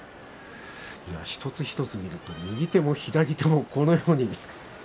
一つ一つ見ると右手も左手もこのように。